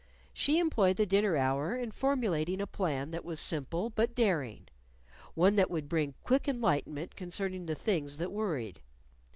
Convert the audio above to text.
She employed the dinner hour in formulating a plan that was simple but daring one that would bring quick enlightenment concerning the things that worried.